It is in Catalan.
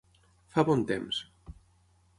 Fa bon temps.